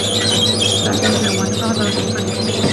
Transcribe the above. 佢最近搵多咗幾份工